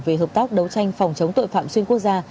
về hợp tác đấu tranh phòng chống tội phạm xuyên quốc gia